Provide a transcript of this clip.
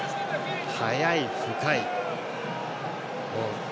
速い、深い。